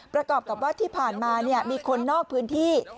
ประกอบกับว่าที่ผ่านมามีคนนอกพื้นที่